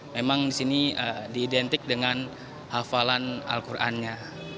memang disini diidentik dengan hafalan al qurannya